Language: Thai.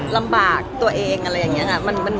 ลำบากตัวเองอะไรอย่างนี้ค่ะ